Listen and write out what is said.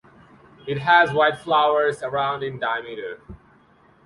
It has white flowers around in diameter.